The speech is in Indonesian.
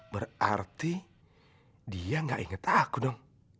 berarti dia gak ingat aku dong